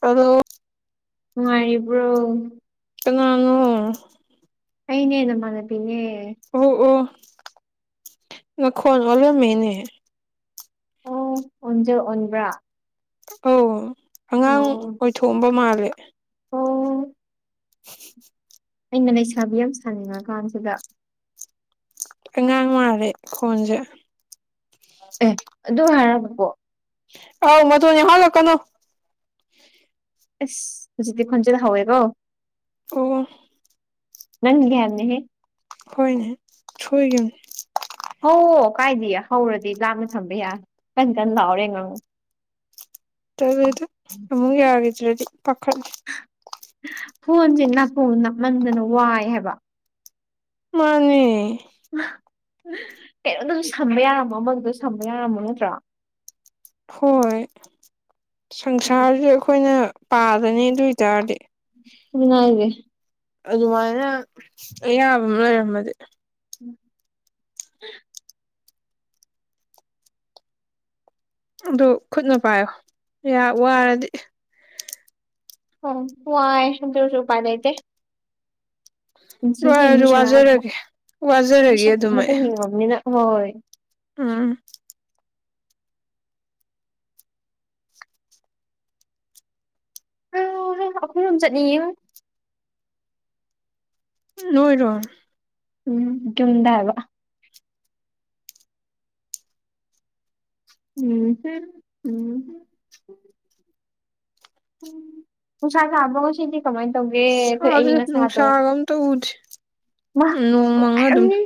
ꯑꯗꯣ ꯅꯨꯉꯥꯏꯔꯤꯕ꯭ꯔꯣ ꯀꯅꯥꯅꯣ ꯑꯩꯅꯦ ꯅꯃꯥꯟꯅꯕꯤꯅꯦ ꯑꯣ ꯑꯣ ꯅꯈꯣꯟ ꯑꯣꯜꯂꯝꯃꯦꯅꯦ ꯑꯣ ꯑꯣꯟꯖ ꯑꯣꯟꯕ꯭ꯔꯥ ꯑꯧ ꯑꯉꯥꯡ ꯑꯣ ꯑꯣꯏꯊꯣꯛꯑꯝꯕ ꯃꯥꯜꯂꯦ ꯑꯣ ꯑꯩꯅ ꯂꯩꯁꯥꯕꯤ ꯑꯃ ꯁꯥꯅꯤꯡꯉꯀꯥꯟꯁꯤꯗ ꯑꯉꯥꯡ ꯃꯥꯜꯂꯦ ꯈꯣꯟꯁꯦ ꯑꯦ ꯑꯗꯨ ꯍꯥꯏꯔꯕ ꯕꯣꯛ ꯑꯥꯏ ꯃꯗꯨꯗꯤ ꯍꯥꯥꯏꯔꯛꯀꯅꯨ ꯏꯁ ꯍꯨꯖꯤꯛꯇꯤ ꯈꯣꯟꯖꯦꯜ ꯍꯧꯋꯦꯀꯣ ꯑꯣꯋꯥꯏ ꯅꯪꯒꯤ ꯍꯥꯏꯕꯅꯦꯍꯦ ꯍꯣꯏꯅꯦꯍꯦ ꯁꯣꯏꯒꯤꯕꯅꯦ ꯍꯧꯑꯣ ꯀꯥꯏꯗꯤꯌꯦ ꯍꯧꯔꯗꯤ ꯂꯥꯞꯅ ꯊꯝꯕ ꯌꯥꯏ ꯀꯟ ꯀꯟꯅ ꯂꯥꯎꯔ ꯍꯦꯛ ꯉꯥꯡꯉꯛꯑꯣ [unintelligible] ꯑꯃꯨꯛ ꯌꯥꯒꯤꯗ꯭ꯔꯗꯤ ꯄꯥꯈꯠꯂꯤ ꯐꯣꯟꯁꯦ ꯅꯞꯄꯣ ꯅꯞꯃꯟꯗꯅ ꯋꯥꯏ ꯍꯥꯏꯕ ꯃꯥꯅꯦ ꯀꯩꯅꯣꯝꯗꯁꯨ ꯁꯝꯕ ꯌꯥꯔꯝꯃꯣ ꯑꯃꯗꯨ ꯁꯝꯕ ꯌꯥꯔꯝꯃꯣ ꯅꯠꯇ꯭ꯔꯥ ꯍꯣꯏ ꯁꯪꯁꯥꯔꯁꯦ ꯑꯩꯈꯣꯏꯅ ꯄꯥꯗꯅꯤ ꯑꯗꯨꯏ ꯇꯥꯔꯗꯤ ꯑꯗꯨꯅꯦ ꯍꯥꯏꯖꯦ ꯑꯗꯨꯃꯥꯏꯅ ꯑꯌꯥꯕ ꯑꯃ ꯂꯩꯔꯝꯃꯗꯤ ꯎꯝ ꯑꯗꯨ ꯈꯨꯠꯅ ꯄꯥꯏꯌꯣ ꯉꯥꯏꯍꯥꯛ ꯋꯥꯔꯗꯤ ꯑꯣ ꯋꯥꯏ ꯑꯗꯨꯁꯨ ꯎꯄꯥꯥꯏ ꯂꯩꯇꯦ ꯄꯨꯟꯁꯤꯁꯦ ꯋꯥꯔꯖꯨ ꯃꯤꯁꯟ ꯑꯃꯒꯤ ꯑꯃꯨꯛ ꯋꯥꯖꯔꯒꯦ ꯋꯥꯖꯔꯒꯦ ꯃꯤꯁꯟ ꯑꯗꯨꯝ ꯑꯩ ꯑꯃꯇꯪ ꯌꯦꯡꯉꯝꯅꯤꯅ ꯍꯣꯏ ꯎꯝ ꯑꯩꯁꯨ ꯑꯩꯈꯣꯏꯔꯣꯝ ꯆꯠꯅꯤꯡꯉꯦ ꯅꯣꯏꯔꯣ ꯎꯝ ꯌꯨꯝꯗꯒ ꯎꯝ ꯎꯝ ꯎꯝ ꯅꯨꯡꯁꯥ ꯁꯥꯕꯔꯣ ꯉꯥꯁꯤꯗꯤ ꯀꯃꯥꯏ ꯇꯧꯒꯦ ꯑꯩꯈꯣꯏ ꯁꯥꯁꯦ ꯑꯏꯪ ꯑꯁꯥꯗꯣ ꯅꯨꯡꯁꯥꯒ ꯑꯝꯇ ꯎꯗꯦ ꯃꯥ ꯅꯣꯡ ꯃꯪꯉ ꯑꯗꯨꯝ ꯅꯨꯡꯉꯥꯏꯔꯝꯅꯤ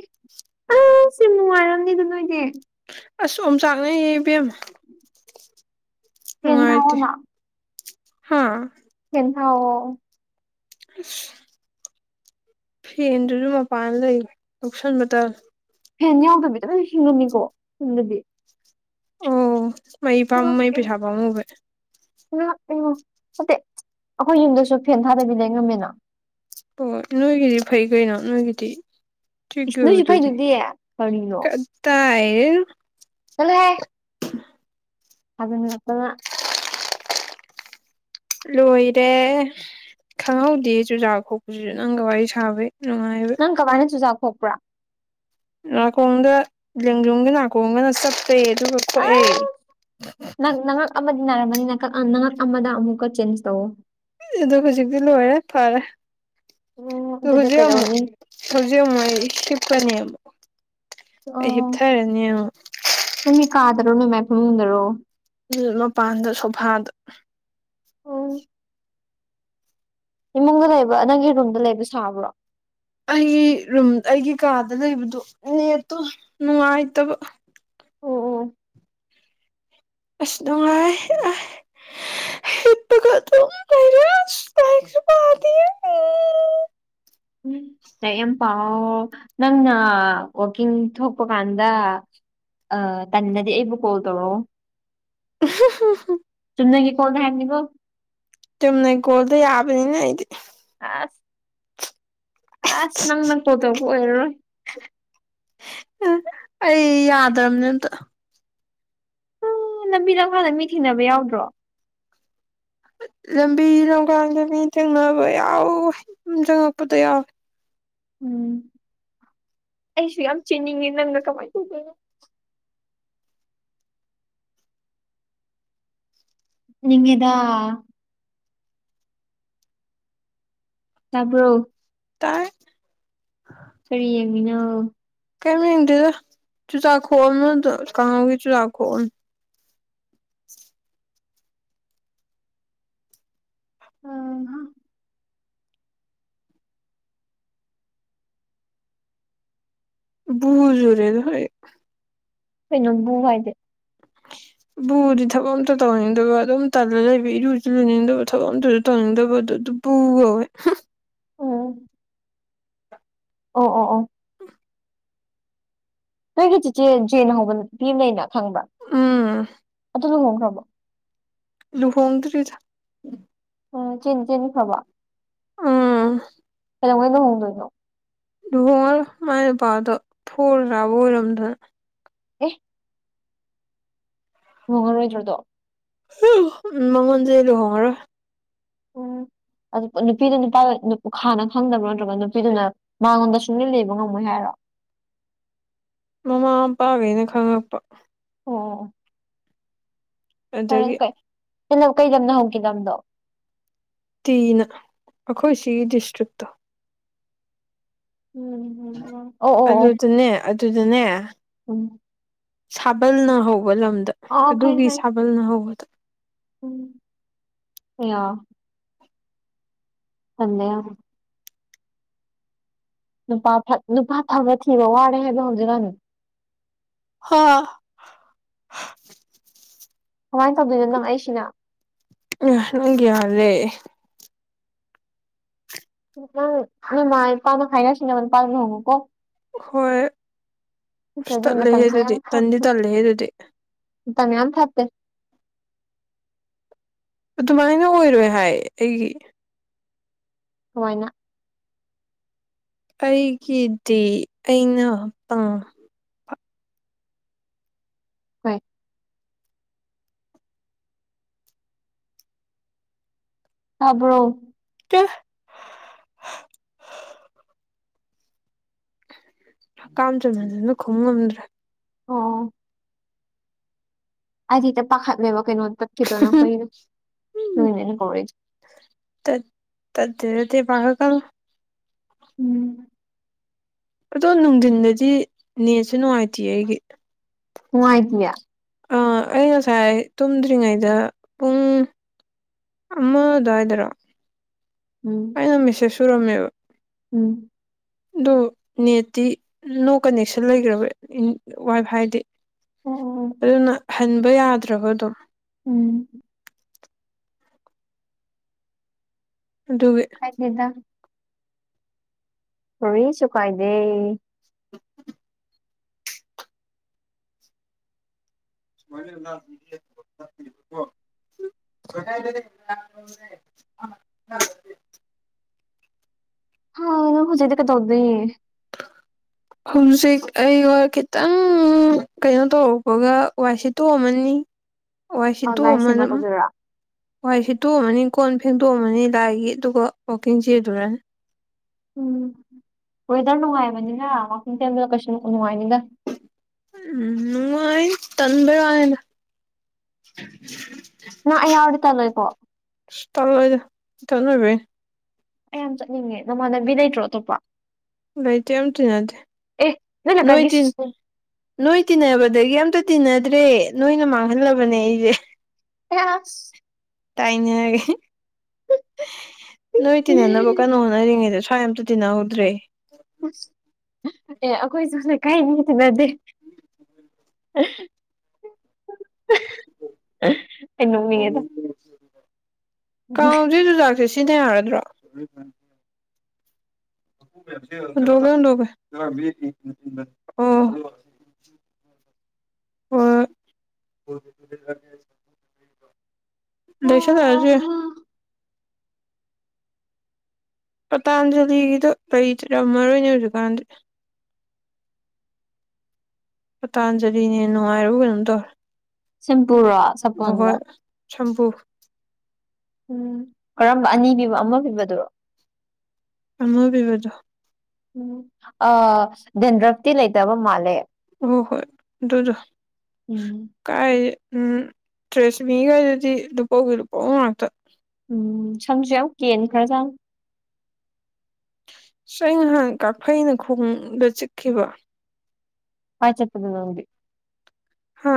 ꯑꯩ ꯁꯤ ꯅꯨꯡꯉꯥꯏꯔꯝꯅꯤꯗ ꯅꯣꯏꯗꯤ ꯑꯁ ꯑꯣꯝꯆꯥꯛꯅꯩꯌꯦ ꯏꯕꯦꯝꯃ ꯐꯦꯟ ꯅꯨꯡꯉꯥꯏꯇꯦ ꯊꯥꯎꯑꯣꯅ ꯍꯥꯥ ꯐꯦꯟ ꯊꯥꯎꯑꯣ ꯑꯁ ꯐꯦꯟꯗꯨꯁꯨ ꯃꯄꯥꯟꯗ ꯂꯩꯈꯔ꯭ꯦ ꯂꯧꯁꯟꯕ ꯇꯜ ꯐꯦꯟ ꯌꯥꯎꯗꯕꯤꯗꯨꯃ ꯍꯤꯡꯉꯝꯃꯤꯀꯣ ꯌꯨꯝꯗꯗꯤ ꯑꯣ ꯃꯩ ꯄꯥꯝ ꯃꯩ ꯄꯩꯁꯥ ꯄꯥꯝꯃꯨꯕꯩ ꯉꯥ ꯑꯣ ꯍꯥꯏꯗꯤ ꯑꯈꯣꯏ ꯌꯨꯝꯗꯁꯨ ꯐꯦꯟ ꯊꯥꯗꯕꯤ ꯂꯩ ꯉꯝꯃꯤꯅ ꯑꯣ ꯅꯣꯏꯒꯤꯗꯤ ꯐꯩ ꯀꯩꯅꯣ ꯅꯣꯏꯒꯤꯗꯤ ꯏꯁ ꯅꯣꯏꯁꯨ ꯐꯩꯗꯨꯗꯤ [unintelligible] ꯀꯔꯤꯅꯣ ꯀꯗꯥꯏꯗꯩ ꯆꯠꯂꯨꯍꯦ ꯑꯗꯨꯝ ꯂꯥꯛꯄꯅꯥ ꯂꯣꯏꯔꯦ ꯈꯪꯍꯧꯗꯤꯌꯦ ꯆꯨꯖꯥꯛ ꯈꯣꯛꯄꯁꯤꯁꯨ ꯅꯪꯒ ꯋꯥꯔꯤ ꯁꯥꯕꯩ ꯅꯨꯡꯉꯥꯏ ꯅꯪ ꯀꯃꯥꯏꯅ ꯆꯨꯖꯥꯥꯛ ꯈꯣꯛꯄꯔꯥ ꯅꯥꯀꯣꯡꯗ ꯂꯦꯡꯖꯨꯝꯒ ꯅꯥꯀꯣꯡꯒꯅ ꯆꯞꯄꯦ ꯑꯗꯨꯒ ꯈꯣꯛꯑꯦ ꯑꯁ ꯅꯪ ꯅꯉꯛ ꯑꯃꯗꯤ ꯅꯥꯔꯝꯃꯅꯤ ꯅꯪ ꯅꯉꯛ ꯑꯃꯗ ꯑꯃꯨꯛꯀ ꯆꯦꯟꯖ ꯇꯧꯋ‌ꯣ ꯑꯗꯨ ꯍꯧꯖꯤꯛꯇꯤ ꯂꯣꯏꯔꯦ ꯐꯔꯦ ꯎꯝ ꯑꯗꯨ ꯑꯗꯨꯗꯤ ꯍꯧꯖꯤꯛ ꯑꯃꯨꯛ ꯀꯩꯗꯧꯅꯤ ꯍꯧꯖꯤꯛ ꯑꯃꯨꯛ ꯑꯩ ꯍꯤꯞꯀꯅꯤꯕ ꯑꯣ ꯑꯃꯨꯛ ꯅꯪꯒꯤ ꯀꯥꯗꯔꯣ ꯅꯣꯏ ꯃꯥꯏ ꯐꯥꯃꯨꯡ ꯗꯔꯣ ꯃꯄꯥꯟꯗ ꯁꯣꯐꯥꯗ ꯏꯃꯨꯡꯗ ꯂꯩꯕ ꯅꯪꯒꯤ ꯔꯨꯝꯗ ꯂꯩꯕ ꯁꯥꯕ꯭ꯔꯣ ꯑꯩ ꯔꯨꯝ ꯑꯩꯒꯤ ꯀꯥꯗ ꯂꯩꯕꯗꯣ ꯂꯦꯠꯇꯣ ꯅꯨꯡꯉꯥꯏꯇꯕ ꯑꯣ ꯑꯣ ꯑꯁ ꯅꯨꯡꯉꯥꯏꯌꯦ ꯑꯥꯢ ꯂꯩꯔꯦ ꯑꯁ ꯂꯥꯏꯔꯤꯛꯁꯨ ꯄꯥꯗꯦ ꯎꯝ [inaudible] ꯎꯝ ꯂꯥꯏꯔꯤꯛ ꯌꯥꯝ ꯄꯥꯎꯌꯣ ꯅꯪꯅ ꯋꯥꯀꯤꯡ ꯊꯣꯛꯄ ꯀꯥꯟꯗꯥ ꯑ ꯇꯟꯗꯔꯗꯤ ꯑꯩꯕꯨ ꯀꯣꯜ ꯇꯧꯔꯛ ꯑꯣ [unintelligible] ꯆꯨꯝꯅꯒꯤ ꯀꯣꯜ ꯗ ꯍꯥꯏꯕꯅꯤꯀꯣ ꯆꯨꯝꯅꯩ ꯀꯣꯜꯗ ꯌꯥꯕꯅꯤꯅ ꯑꯩꯗꯤ ꯑ ꯑꯁ ꯅꯪꯅ ꯀꯣꯜ ꯇꯧꯔꯛꯞ ꯑꯣꯏꯔꯔꯣꯏ ꯑꯥ ꯑꯩ ꯌꯥꯗꯕꯅꯦ ꯑꯃꯠꯇ ꯂꯝꯕꯤ ꯂꯝꯈꯥꯡꯗ ꯃꯤ ꯊꯦꯡꯅꯕ ꯌꯥꯎꯗ꯭ꯔꯣ ꯂꯝꯕꯤ ꯂꯝꯈꯥꯡꯗ ꯃꯤ ꯊꯦꯡꯅꯕ ꯌꯥꯎꯌꯦ ꯌꯨꯝ ꯆꯪꯉꯛꯄꯗ ꯌꯥꯎꯌꯦ ꯎꯝ ꯑꯩꯁꯨ ꯌꯥꯝ ꯆꯦꯟꯅꯤꯡꯉꯦ ꯅꯪꯅ ꯀꯃꯥꯏꯅ ꯇꯧꯗꯣꯏꯅꯣ ꯐꯨꯅꯤꯡꯉꯦꯗ ꯇꯥꯕ꯭ꯔꯣ ꯇꯥꯏ ꯀꯔꯤ ꯌꯦꯡꯉꯤꯅꯣ ꯀꯩꯝ ꯌꯦꯡꯗꯦꯗ ꯆꯨꯖꯥꯛ ꯈꯣꯛꯑꯝꯕꯗꯣ ꯀꯥꯡꯍꯧꯒꯤ ꯆꯨꯖꯥꯛ ꯈꯣꯛꯑꯝ ꯎꯝ ꯕꯨ ꯖꯨꯔꯦꯗ ꯑꯩ ꯀꯩꯅ‌ꯣ ꯕꯨ ꯍꯥꯏꯗꯤ ꯕꯨ ꯍꯥꯏꯗꯤ ꯊꯕꯛ ꯑꯃꯠꯇ ꯇꯧꯅꯤꯡꯗꯕ ꯑꯗꯨꯝ ꯇꯜꯂ ꯂꯩꯕ ꯏꯔꯨꯁꯨ ꯂꯩꯅꯤꯡꯗꯕ ꯊꯕꯛ ꯑꯃꯠꯇ ꯇꯧꯅꯤꯡꯗꯕꯗꯨ ꯑꯗꯨ ꯕꯨꯨ ꯀꯧꯋꯦ ꯑꯣ ꯑꯣ ꯑꯣ ꯑꯣ [unintelligible] ꯅꯣꯏꯒꯤ ꯆꯤꯆꯦ ꯖꯦꯟ ꯍꯧꯕ ꯄꯤ ꯑꯃ ꯂꯩꯅ ꯈꯪꯕ꯭ꯔ ꯎꯝ ꯑꯗꯨ ꯂꯨꯍꯣꯡꯈ꯭ꯔꯕꯣ ꯂꯨꯍꯣꯡꯗ꯭ꯔꯤꯗ ꯎ ꯆ ꯆꯅꯤ ꯐꯕ ꯎꯝ ꯀꯩꯣꯧꯩꯗ ꯍꯣꯡꯗꯣꯏꯅꯣ ꯉ ꯃꯅ ꯄꯥꯗ ꯐꯔꯕꯔꯗ ꯑꯦ ꯍꯣꯡꯉꯔꯣꯏꯗ꯭ꯔꯗꯣ ꯎ ꯃꯪꯉꯣꯟꯁꯦ ꯂꯨꯍꯣꯡꯉꯔꯣꯏ ꯎꯝ ꯑꯗꯨ ꯅꯨꯄꯤꯗꯨ ꯅꯨꯄꯥ ꯈꯥꯅ ꯈꯪꯗꯕ꯭ꯔꯣ ꯅꯠꯇ꯭ꯔꯒ ꯅꯨꯄꯤꯗꯨꯅ ꯃꯉꯣꯟꯗ ꯁꯨꯡꯂꯅ ꯂꯩꯕ ꯉꯝꯃꯣꯏ ꯍꯥꯏꯔꯣ ꯃꯃꯥ ꯃꯄꯥꯈꯩꯅ ꯈꯪꯉꯛꯄ ꯑꯣ ꯐꯔꯦ ꯑꯗꯒꯤ ꯐꯦ ꯆ ꯀꯩꯗꯅ ꯍꯧꯈꯤꯗꯗꯣ ꯇꯤꯅ ꯑꯩꯈꯣꯏ ꯁꯤꯒꯤ ꯗꯤꯁꯇ꯭ꯔꯤꯛꯇꯣ ꯎꯝ ꯑꯣ ꯑꯣ ꯑꯣ ꯑꯗꯨꯗꯨꯅꯦ ꯑꯗꯨꯗꯨꯅꯦ ꯎꯝ ꯁꯥꯕꯜꯅ ꯍꯧꯕ ꯂꯝꯗ ꯑ ꯈꯩ ꯑꯗꯨꯒꯤ ꯈꯩ ꯁꯥꯕꯜꯅ ꯍꯧꯕꯗ ꯎꯝ ꯑꯣ ꯊꯗꯦ ꯅꯨꯄꯥ ꯅꯨꯄꯥ ꯐꯕ ꯊꯤꯕ ꯋꯥꯔꯦ ꯍꯥꯏꯕ ꯍꯧꯖꯤꯛꯀꯥꯟꯗ ꯍ ꯀꯃꯥꯏꯅ ꯇꯧꯗꯣꯏꯅꯣ ꯅꯪ ꯑꯩꯁꯤꯅ ꯑ ꯅꯪ ꯌꯥꯔꯦ ꯅꯪ ꯅꯃꯥ ꯏꯄꯥꯅ ꯍꯥꯏꯅꯁꯤ ꯅ ꯃ ꯅꯨꯄꯥꯗꯨ ꯍꯣꯡꯉꯨꯀꯣ ꯍꯣꯏ ꯑ ꯅꯠꯇ꯭ꯔꯗꯤ ꯇꯠꯂꯦꯍꯦ ꯃꯇꯝꯁꯦ ꯑꯗꯨꯗꯤ ꯇꯟꯗꯤ ꯇꯜꯂꯦꯍꯦ ꯑꯗꯨꯗꯤ ꯇꯅꯦ ꯑ ꯊ ꯍꯥꯏꯞꯠꯇꯦ ꯑꯗꯨꯃꯥꯏꯅ ꯑꯣꯏꯔꯣꯏ ꯍꯥꯏ ꯑꯩꯒꯤ ꯁꯃꯥꯏꯅ ꯑꯩꯒꯤꯗꯤ ꯑꯩꯅ ꯄ ꯍꯣꯏ ꯍꯥꯕ꯭ꯔꯣ ꯀ ꯀꯥꯝ ꯆꯅꯖꯅ ꯈꯣꯡ ꯉꯝꯗ꯭ꯔꯦ ꯑꯣ ꯑꯩꯗꯤꯦ ꯄꯥꯈꯠꯂꯦꯕ ꯀꯩꯅꯣ ꯇꯠꯈꯤꯗ꯭ꯔꯣꯅ ꯀꯩꯅ ꯂꯣꯏꯅꯦꯅ ꯀꯧꯔꯛꯁꯦ ꯇ ꯇꯗ ꯇ ꯄꯍ ꯀ ꯎꯝ ꯑꯗꯣ ꯅꯨꯡꯊꯤꯟꯗꯗꯤ ꯅꯦꯁꯨ ꯅꯨꯡꯉꯥꯏꯇꯦ ꯑꯩꯒꯤ ꯍꯨꯡꯥꯏꯒꯂꯤꯌꯥ ꯑꯩ ꯉꯁꯥꯏ ꯇꯨꯝꯗ꯭ꯔꯤꯉꯩꯗ ꯄꯨꯡ ꯑꯃ ꯑꯗꯨꯋꯥꯏꯗꯔꯣ ꯎꯝ [inaudible] [inaudible] ꯑꯩꯩꯅ ꯅꯨ ꯃꯤꯠꯁꯦ ꯁꯨꯔꯝꯃꯦꯕ ꯎꯝ ꯑꯗꯣ ꯅꯦꯠꯇꯤ ꯅꯣ ꯀꯟꯅꯦꯛꯁꯟ ꯂꯩꯈ꯭ꯔꯕ ꯋꯥꯏ ꯐꯥꯏꯗꯤ ꯑꯣ ꯑꯣ ꯑꯗꯨꯅ ꯍꯟꯕ ꯌꯥꯗ꯭ꯔꯕ ꯑꯗꯨꯣ ꯎꯝ ꯑꯗꯨꯒꯒꯤ ꯍꯥꯏꯗ ꯀꯔꯤꯁꯨ ꯀꯥꯏꯗꯦ [unintelligible] [unintelligible] ꯍꯥꯎ ꯍꯧꯖꯤꯗꯤ ꯀꯩꯗꯧꯗꯤ ꯍꯧꯖꯤꯛ ꯑꯩ ꯈꯤꯇꯪ ꯀꯩꯅꯣ ꯇꯧꯔꯛꯄꯒ ꯋꯥꯏ ꯁꯤꯇꯣꯛꯑꯝꯃꯅꯤ ꯋꯥꯏ ꯑ ꯁꯤꯇꯣꯛ ꯂꯥꯏ ꯑꯃꯥꯅꯤ ꯁꯦꯕꯥ ꯇꯧꯗꯣꯏꯔꯥ ꯋꯥꯏ ꯁꯤꯠꯇꯣꯛꯑꯝꯃꯅꯤ ꯀꯣꯟ ꯐꯦꯡꯗꯣꯛꯑꯝꯃꯅꯤ ꯂꯥꯏꯒꯤ ꯑꯗꯨꯒ ꯋꯥꯛꯀꯤꯡ ꯆꯦꯜꯂꯨꯔꯅꯤ ꯎꯝ ꯋꯦꯗꯔ ꯅꯨꯡꯉꯥꯏꯕꯅꯤꯅ ꯋꯥꯀꯤꯡ ꯆꯦꯟꯕꯁꯨ ꯀꯩꯁꯨ ꯅꯨꯡꯉꯥꯏꯅꯤ ꯎꯝ ꯅꯨꯡꯉꯥꯏꯅꯤ ꯇꯟꯕꯩ ꯋꯥꯅꯤꯗꯥ ꯅꯪ ꯑꯩ ꯌꯥꯎꯔꯗꯤ ꯇꯜꯂꯣꯏꯀꯣ ꯇꯜꯂꯣꯏꯗ ꯏꯊꯟ ꯑꯣꯏꯕꯩꯅꯤ ꯑꯩ ꯌꯥꯝ ꯆꯠꯅꯤꯡꯉꯦ ꯅꯃꯥꯟꯅꯕꯤ ꯂꯩꯇ꯭ꯔꯣ ꯑꯇꯣꯞꯄ ꯂꯩꯇꯦ ꯑꯝ ꯇꯤꯟꯅꯗꯦ ꯑꯦ ꯅꯣꯏ ꯂꯩꯀꯥꯏꯒꯤ ꯇꯤꯟ ꯅꯣꯏ ꯇꯤꯟꯅꯕꯗꯒꯤ ꯑꯝꯇꯥ ꯇꯤꯟꯅꯗ꯭ꯔꯦ ꯅꯣꯏꯅ ꯃꯥꯡꯍꯜꯂꯕꯅꯦ ꯑꯩꯁꯦ [unintelligible] ꯇꯥꯏꯅꯔꯒꯦ ꯅꯣꯏ ꯇꯤꯟꯅ ꯀꯟꯅꯥ ꯍꯣꯠꯅꯔꯤꯉꯩꯗ ꯁ꯭ꯋꯥꯏ ꯑꯃꯇꯥ ꯇꯤꯟꯅꯍꯧꯗ꯭ꯔꯦ ꯑꯦ ꯑꯩꯈꯣꯏꯁꯨꯅ ꯂꯀꯥꯏ ꯃꯤꯇꯤꯅꯗꯦ [unintelligible] [unintelligible] ꯑꯩ ꯅꯣꯛꯅꯤꯡꯉꯦꯗ ꯀꯥꯡꯁꯦ ꯆꯨꯖꯥꯛꯁꯦ ꯁꯤꯖꯤꯟꯅ ꯌꯥꯔꯗ꯭ꯔꯣ ꯍꯟꯗꯣꯛꯛꯦ ꯍꯟꯗꯣꯛꯛꯦ ꯑꯣ ꯍꯣꯏ [unintelligible] ꯄꯇꯥꯑꯟꯖꯂꯤꯒꯤꯗꯣ ꯀꯔꯤ ꯇꯔꯝꯃꯔꯣꯏꯅꯦ ꯍꯧꯖꯤꯛꯀꯥꯟꯗꯤ ꯄꯇꯥꯑꯟꯖꯂꯤꯅ ꯍꯦꯟꯅꯥ ꯅꯨꯡꯉꯥꯏꯔꯕ ꯀꯩꯅꯣꯝ ꯇꯧꯔꯦ ꯁꯤꯝꯄꯨꯔꯣ ꯑꯍꯣꯏ ꯁꯝꯄꯨ ꯎꯝ ꯀꯔꯝꯕ ꯑꯅꯤ ꯄꯤꯕ ꯑꯃ ꯄꯤꯕꯗꯨꯔꯣ ꯑꯃꯥ ꯄꯤꯕꯗꯣ ꯎꯝ ꯑꯥ ꯗꯦꯟꯗ꯭ꯔꯞꯇꯤ ꯂꯩꯇꯕ ꯃꯥꯜꯂꯦ ꯍꯣꯏ ꯍꯣꯏ ꯑꯗꯨꯗꯣ ꯎꯝ ꯀꯥꯏ ꯎꯝ ꯇ꯭ꯔꯦꯁꯃꯤꯒꯖꯤꯗꯤ ꯂꯨꯄꯧꯒꯤ ꯂꯨꯄꯧ ꯉꯥꯛꯇ ꯎꯝ ꯁꯝꯁꯨ ꯌꯥꯝ ꯀꯦꯟꯈꯔꯥ ꯖꯥꯠꯅꯦ ꯑꯩ ꯅꯍꯥꯟ ꯀꯥꯐꯩꯅ ꯈꯣꯡꯗ ꯆꯤꯛꯈꯤꯕ ꯀꯥꯏ ꯆꯠꯄꯗ ꯅꯪꯗꯤ ꯍꯥ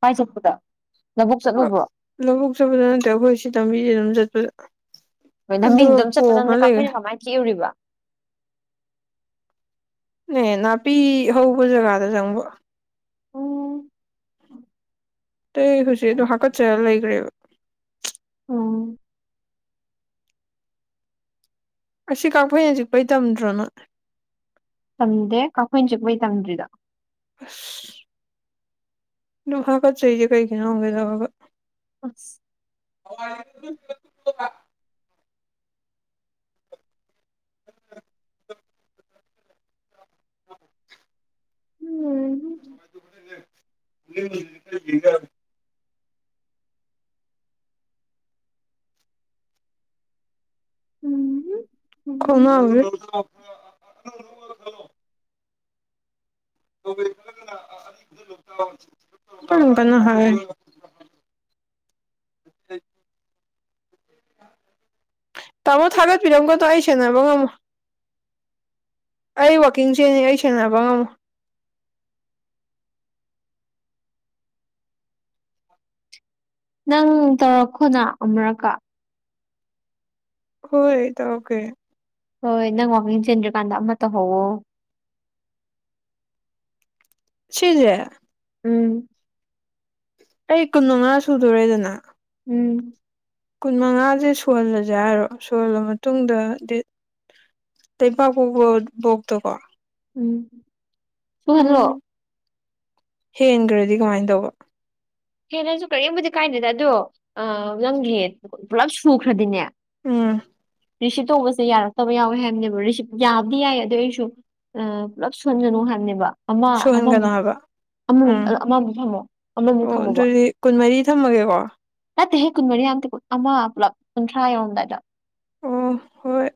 ꯀꯥꯏ ꯆꯠꯄꯗ ꯂꯥꯕꯨꯛ ꯆꯠꯂꯨꯕ꯭ꯔꯣ ꯂꯧꯕꯛ ꯆꯠꯄꯗꯥ ꯅꯠꯇꯦ ꯑꯩꯈꯣꯏ ꯁꯤ ꯂꯝꯕꯤꯁꯤꯗꯥ ꯑꯗꯨꯝ ꯆꯠꯄꯗ ꯀꯩꯅꯣ ꯂꯝꯕꯤꯁꯤꯗ ꯑꯗꯨꯒ ꯑꯗꯨꯝ ꯆꯠꯄꯗꯥ ꯄꯣꯝꯃ ꯅꯪꯗꯤ ꯂꯩꯈ꯭ꯔꯦ ꯀꯥꯛꯐꯩ ꯀꯃꯥꯏꯅꯥ ꯆꯤꯛꯎꯔꯤꯕ ꯅꯦ ꯅꯥꯄꯤ ꯍꯧꯕ ꯖꯒꯥꯗ ꯆꯪꯕ ꯎꯝ ꯑꯇꯩ ꯍꯧꯖꯤꯛ ꯑꯗꯨ ꯍꯥꯀꯠꯆꯔ ꯂꯩꯈ꯭ꯔꯦꯕ ꯎꯝ ꯑꯁꯤ ꯀꯥꯛꯐꯩꯅ ꯆꯤꯛꯄꯩ ꯇꯝꯗ꯭ꯔꯣ ꯅꯣꯏ ꯇꯝꯗꯦ ꯀꯥꯛꯐꯩꯅ ꯆꯤꯛꯄꯩ ꯇꯝꯗ꯭ꯔꯤ ꯑꯁ ꯑꯗꯨ ꯍꯥꯀꯠꯆꯩꯖꯦ ꯀꯩꯒꯤꯅꯣ ꯍꯪꯪꯒꯦ ꯇꯧꯔꯒꯥ ꯑꯁ [unintelligible] ꯍꯨꯝ [unintelligible] ꯎꯝ ꯈꯉꯦ [unintelligible] ꯄꯥꯜꯂ [unintelligible] ꯍꯥꯏꯅꯦ ꯇꯥꯃꯣ ꯊꯥꯒꯠꯄꯤꯔꯝꯒꯅꯣ ꯑꯩ ꯁꯦꯟꯅꯕ ꯉꯝꯃꯣ ꯑꯩ ꯋꯥꯛꯀꯤꯡꯁꯦꯅꯤ ꯑꯩ ꯁꯦꯟꯅꯕ ꯉꯝꯃꯣ ꯅꯪ ꯇꯧꯔꯛꯈꯣꯅ ꯑꯃꯨꯔꯛꯀ ꯍꯣꯢ ꯇꯧꯔꯛꯀꯦ ꯍꯣꯏ ꯅꯪ ꯋꯥꯡꯈꯤꯡ ꯆꯦꯟꯗ꯭꯭ꯔꯀꯥꯟꯗ ꯑꯃ ꯇꯧꯍꯧꯋꯣ ꯁꯤꯖꯦ ꯎꯝ ꯑꯩ ꯀꯨꯟ ꯃꯉꯥ ꯁꯨꯗꯣꯔꯦꯗꯅ ꯎꯝ ꯀꯨꯟ ꯃꯉꯥꯁꯦ ꯁꯣꯜꯂꯁꯦ ꯍꯥꯏꯔꯣ ꯁꯣꯜꯂ ꯃꯇꯨꯡꯗ ꯗꯤ ꯂꯩꯕꯥꯛꯄꯣꯛꯄ ꯕꯣꯛꯇꯀꯣ ꯎꯝ [unintelligible] ꯎꯝ ꯍꯦꯟꯈ꯭ꯔꯗꯤ ꯀꯃꯥꯏꯅ ꯇꯧꯕ ꯍꯦꯟꯅꯒꯔꯁꯨ ꯀꯔꯤꯕꯨꯗꯤ ꯀꯥꯏꯗꯦꯗ ꯑꯗꯣ ꯑ ꯅꯪꯒꯤ ꯄꯨꯂꯞ ꯁꯨꯈ꯭ꯔꯗꯤꯅꯦ ꯎꯝ ꯔꯤꯁꯤꯞ ꯇꯧꯕꯁꯦ ꯌꯥꯔꯛꯇꯕ ꯌꯥꯎꯋꯦ ꯍꯥꯏꯕꯅꯦꯕ ꯔꯤꯁꯤꯞ ꯌꯥꯕꯗꯤ ꯌꯥꯏ ꯑꯗꯨ ꯑꯩꯁꯨ ꯑ ꯄꯨꯂꯞ ꯁꯣꯟꯖꯅꯨ ꯍꯥꯏꯕꯅꯦꯕ ꯑꯃ ꯁꯨꯍꯟꯒꯅꯣ ꯑꯃꯃꯨꯛ ꯍꯥꯏꯕ ꯑꯃꯃꯨꯛ ꯎꯝ ꯑꯃꯃꯨꯛ ꯊꯝꯃꯣ ꯑꯃꯃꯨꯛ ꯑꯣ ꯊꯝꯃꯣꯕ ꯑꯗꯨꯗꯤ ꯀꯨꯟꯃꯔꯤ ꯊꯝꯃꯒꯦꯀꯣ ꯅꯠꯇꯦ ꯍꯦꯛ ꯀꯨꯟꯃꯔꯤ ꯑ ꯑꯃ ꯄꯨꯂꯞ ꯀꯨꯟꯊ꯭ꯔꯥ ꯌꯧꯔꯝꯗꯥꯏꯗ ꯑꯣ ꯍꯣꯏ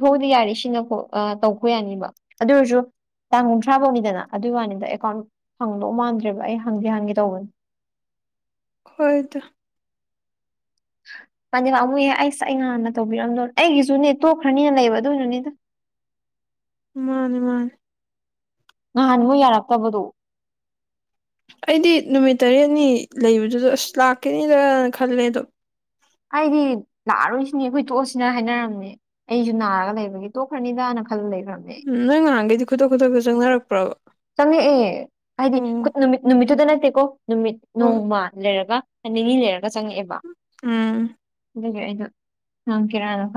ꯐꯥꯎꯗꯤ ꯌꯥꯔꯤ ꯁꯤꯅꯣ ꯑ ꯇꯧꯕ ꯌꯥꯅꯤꯕ ꯑꯗꯨ ꯑꯣꯏꯔꯁꯨ ꯇꯥꯡ ꯀꯨꯟꯊ꯭ꯔꯥ ꯐꯧꯅꯤꯗꯅ ꯑꯗꯨꯒꯤ ꯋꯥꯅꯤꯗ ꯑꯦꯀꯥꯎꯟ ꯍꯪꯗꯧ ꯃꯥꯟꯗ꯭ꯔꯦꯕ ꯑꯩ ꯍꯪꯒꯦ ꯍꯪꯒꯦ ꯇꯧꯕꯅꯦ ꯑꯣꯏꯗ ꯄꯥꯝꯗꯤ ꯄꯝꯄꯨꯌꯦ ꯑꯩꯁ ꯑꯩ ꯉꯥꯟꯅ ꯇꯧꯕꯤꯔꯝꯗꯣꯏ ꯑꯩꯒꯤꯁꯨꯅꯦ ꯇꯣꯛꯈ꯭ꯔꯅꯤꯅ ꯂꯩꯕ ꯑꯗꯨꯏꯅꯅꯤꯗ ꯃꯥꯅꯦ ꯃꯥꯅꯦ ꯉꯍꯥꯟꯕꯨ ꯌꯥꯔꯛꯇꯕꯗꯣ ꯑꯩꯗꯤ ꯅꯨꯃꯤꯠ ꯇꯔꯦꯠꯅꯤ ꯂꯩꯕꯗꯨꯗ ꯑꯁ ꯂꯥꯛꯀꯅꯤꯗꯅ ꯈꯜꯂꯦ ꯑꯗꯣ ꯍꯥꯏꯗꯤ ꯂꯥꯛꯑꯔꯣꯏꯁꯤꯅꯦ ꯑꯩꯈꯣꯏ ꯇꯣꯛꯂꯁꯤꯅ ꯍꯥꯏꯅꯔꯝꯅꯦ ꯑꯩꯁꯨ ꯅꯥꯔꯒ ꯂꯩꯕꯒꯤ ꯇꯣꯛꯈ꯭ꯔꯅꯤꯗꯥꯅ ꯈꯜꯂ ꯂꯩꯈ꯭ꯔꯕ ꯎꯝ ꯅꯣꯏ ꯉꯍꯈꯩꯗꯤ ꯈꯨꯗꯛ ꯈꯨꯗꯛꯇ ꯆꯪꯅꯔꯛꯄꯔꯕ ꯆꯪꯉꯛꯑꯦ ꯍꯥꯏꯗꯤ ꯅꯨꯃꯤꯠ ꯅꯨꯃꯤꯠꯇꯨꯗ ꯅꯠꯇꯦꯀꯣ ꯅꯨꯃꯤꯠ ꯍꯣꯏ ꯅꯣꯡꯃ ꯂꯩꯔꯒ ꯅꯤꯅꯤ ꯂꯩꯔꯒ ꯆꯪꯉꯛꯑꯦꯕ ꯎꯝ ꯑꯗꯨꯒꯤ ꯑꯩꯗꯣ ꯍꯪꯀꯦꯔꯥꯅ [unintelligible]